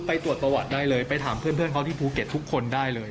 ไปตรวจประวัติได้เลยไปถามเพื่อนเขาที่ภูเก็ตทุกคนได้เลย